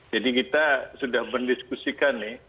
jadi kita sudah mendiskusikan nih